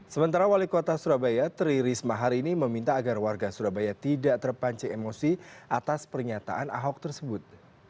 sementara wali kota surabaya tri risma hari ini meminta agar warga surabaya tidak terpanci emosi atas pernyataan ahok tersebut